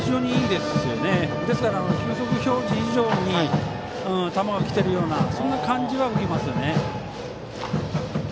ですから、球速表示以上に球が来ているような感じは受けますね。